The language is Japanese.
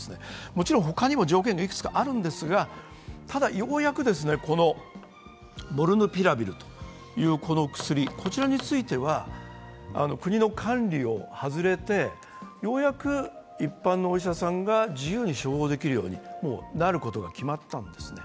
もちろん他にも条件がいくつかあるんですが、ただ、ようやくこのモルヌピラビルという薬については、国の管理を外れて、ようやく一般のお医者さんが自由に処方できるようになることが決まったんですね。